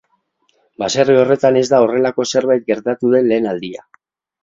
Baserri horretan ez da horrelako zerbait gertatu den lehen aldia.